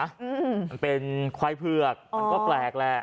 มันเป็นควายเผือกมันก็แปลกแหละ